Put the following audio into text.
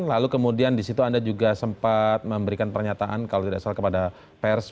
lalu kemudian disitu anda juga sempat memberikan pernyataan kalau tidak salah kepada pers